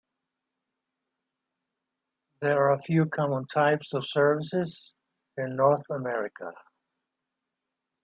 There are a few common types of services in North America.